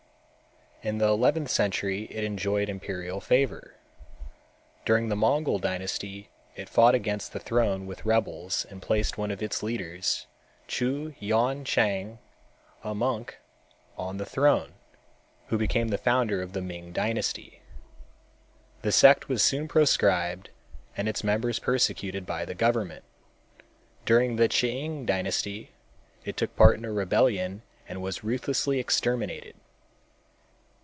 In the eleventh century it enjoyed imperial favor. During the Mongol dynasty it fought against the throne with rebels and placed one of its leaders, Chu Yüan chang, a monk, on the throne, who became the founder of the Ming dynasty. The sect was soon proscribed and its members persecuted by the government. During the Ch'ing dynasty it took part in a rebellion and was ruthlessly exterminated.